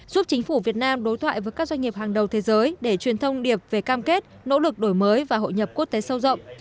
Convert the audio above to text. giúp chính phủ việt nam đối thoại với các doanh nghiệp hàng đầu thế giới để truyền thông điệp về cam kết nỗ lực đổi mới và hội nhập quốc tế sâu rộng